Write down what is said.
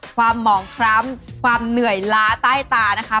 หมองคล้ำความเหนื่อยล้าใต้ตานะคะ